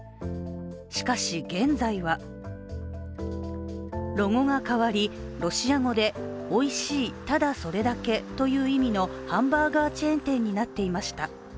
しかし、現在はロゴが変わり、ロシア語で「おいしい、ただそれだけ」という意味のハンバーガーチェーン店になっていました。